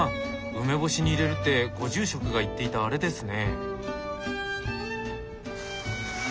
梅干しに入れるってご住職が言っていたあれですね。